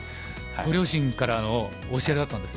ご両親からの教えだったんですね。